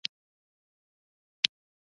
پاچا د اماني ښوونځي څخه څخه ليدنه وکړه .